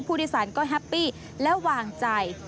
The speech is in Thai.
ผู้โดยสารก็แฮปปี้และวางใจ